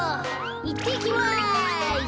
いってきます。